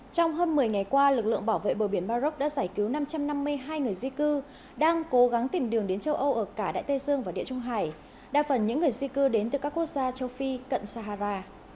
trong hơn một mươi ngày qua lực lượng bảo vệ bờ biển maroc đã giải cứu năm trăm năm mươi hai người di cư đang cố gắng tìm đường đến châu âu ở cả đại tây dương và địa trung hải đa phần những người di cư đến từ các quốc gia châu phi cận sahara